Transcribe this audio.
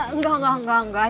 enggak enggak enggak